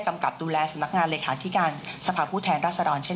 กำกับดูแลสมักงานเลยขาที่การสภาผู้แทนรัศรรณเช่น